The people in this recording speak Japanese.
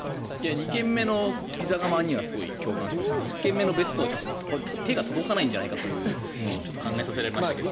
２軒目のピザ窯にはすごい共感しましたけど１軒目の別荘はちょっと手が届かないんじゃないかと考えさせられましたけど。